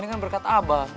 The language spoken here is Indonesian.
ini kan berkat abah